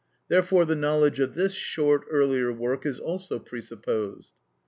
Therefore the knowledge of this short, earlier work is also presupposed.